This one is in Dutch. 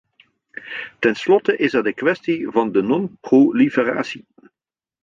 Tenslotte is er de kwestie van de non-proliferatie.